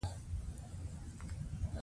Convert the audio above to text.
استاد شاګرد ته ځان خوښوي.